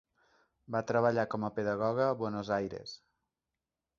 Va treballar com a pedagoga a Buenos Aires.